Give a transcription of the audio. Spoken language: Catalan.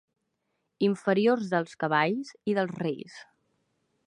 Inferiors dels cavalls i dels reis.